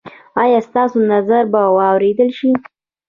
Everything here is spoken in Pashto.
ایا ستاسو نظر به واوریدل شي؟